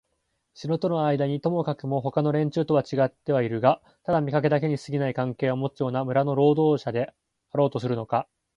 城とのあいだにともかくもほかの連中とはちがってはいるがただ見かけだけにすぎない関係をもつような村の労働者であろうとするのか、